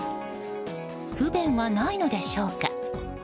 不便はないのでしょうか。